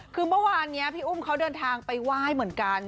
คือเมื่อวานนี้พี่อุ้มเขาเดินทางไปไหว้เหมือนกัน